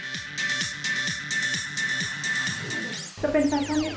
จะเป็นแฟชั่นนิสตาอย่างไร